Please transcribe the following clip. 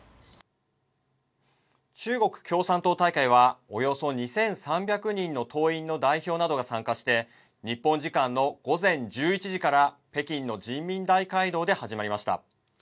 中国共産党大会はおよそ２３００人の党員の代表などが参加して日本時間の午前１１時から北京の人民大会堂で始まりました。